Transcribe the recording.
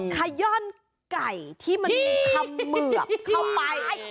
ขย่อนไก่ที่มันมีคำเหมือบเข้าไป